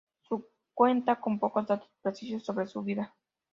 Se cuenta con pocos datos precisos sobre su vida.